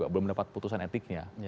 belum dapat putusan etiknya